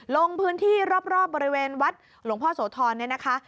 ลงพื้นที่รอบบริเวณวัดหลวงพ่อโสธรเนี่ยนะคะ